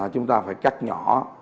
chúng ta phải cắt nhỏ